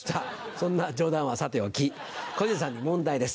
そんな冗談はさておき小遊三さんに問題です。